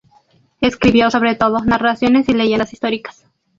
Escribió sobre todo narraciones y leyendas históricas.